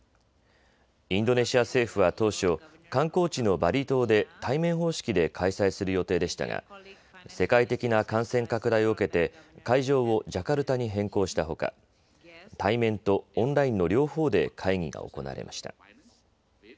インドネシア政府は当初、観光地のバリ島で対面方式で開催する予定でしたが世界的な感染拡大を受けて会場をジャカルタに変更したほか、対面とオンラインの両方で会議が行われました。